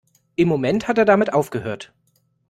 Im Moment hat er damit aufgehört!